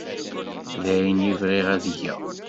D ayen i bɣiɣ ad geɣ.